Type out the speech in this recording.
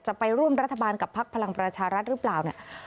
จะไปร่วมรัฐบาลกับพักพลังประชารัฐหรือเปล่าเนี่ย